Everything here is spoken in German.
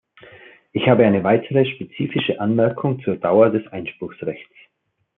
Ich habe eine weitere spezifische Anmerkung zur Dauer des Einspruchsrechts.